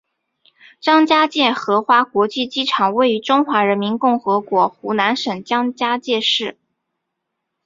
张家界荷花国际机场位于中华人民共和国湖南省张家界市。